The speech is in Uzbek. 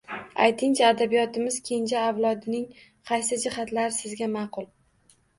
Ayting-chi, adabiyotimiz kenja avlodining qaysi jihatlari sizga ma’qul?